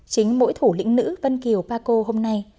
chính mỗi thủ lĩnh nữ vân kiều pako hôm nay